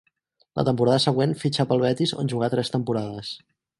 La temporada següent fitxà pel Betis on jugà tres temporades.